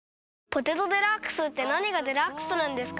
「ポテトデラックス」って何がデラックスなんですか？